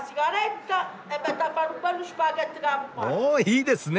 おいいですね！